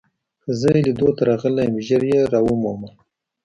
زه يې لیدو ته راغلی یم، ژر يې را ومومه.